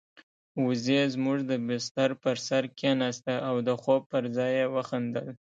وزې زموږ د بستر پر سر کېناسته او د خوب پر ځای يې وخندل.